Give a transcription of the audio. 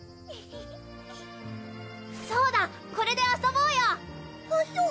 そうだこれで遊ぼうよはひょ！